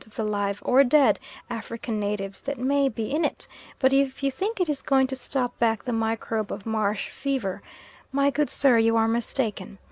of the live or dead African natives that may be in it; but if you think it is going to stop back the microbe of marsh fever my good sir, you are mistaken.